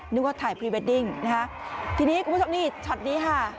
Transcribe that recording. นึกว่าถ่ายพรีเวดดิ้งนะคะทีนี้คุณผู้ชมนี่ช็อตนี้ค่ะ